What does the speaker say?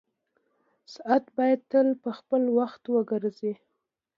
ساعت باید تل په خپل وخت وګرځي.